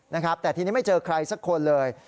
นะครับแต่ทีนี้ไม่เจอใครสักคนเลย